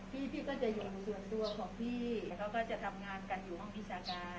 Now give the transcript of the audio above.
พี่พี่ก็จะอยู่ในส่วนตัวของพี่ก็จะทำงานกันอยู่พิชาการ